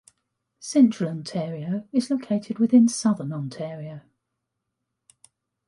Central Ontario is located within Southern Ontario.